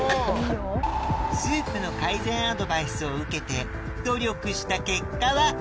スープの改善アドバイスを受けて努力した結果は？